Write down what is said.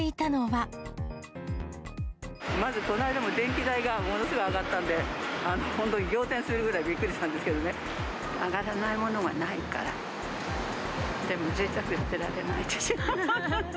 まずこの間も電気代がものすごい上がったんで、本当に仰天するぐらいびっくりしたんですけど上がらないものはないから、でもぜいたくいってられないですよ。